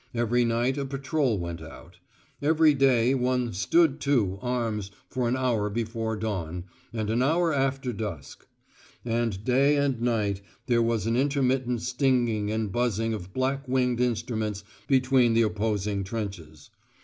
Every night a patrol went out. Every day one "stood to" arms for an hour before dawn, and an hour after dusk. And day and night there was an intermittent stinging and buzzing of black winged instruments between the opposing trenches.